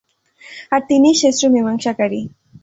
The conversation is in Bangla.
আর তিনিই শ্রেষ্ঠ মীমাংসাকারী।